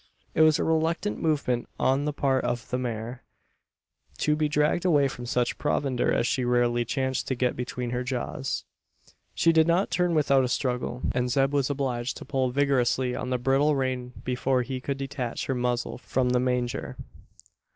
It was a reluctant movement on the part of the mare to be dragged away from such provender as she rarely chanced to get between her jaws. She did not turn without a struggle; and Zeb was obliged to pull vigorously on the bridle rein before he could detach her muzzle from the manger.